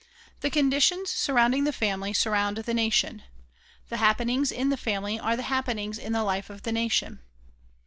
The conditions surrounding the family surround the nation. The happenings in the family are the happenings in the life of the nation.